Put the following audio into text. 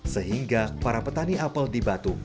sehingga para petani apel di batu